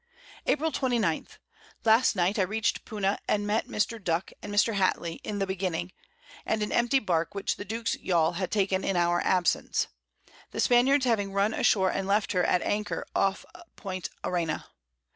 Apr. 29. Last Night I reached Puna, and met Mr. Duck and Mr. Hatley in the Beginning, and an empty Bark which the Duke's Yall had taken in our Absence; the Spaniards having run ashore and left her at Anchor off of Point Arena.